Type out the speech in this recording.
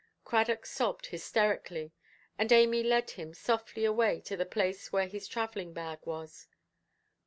Cradock sobbed hysterically, and Amy led him softly away to the place where his travelling–bag was.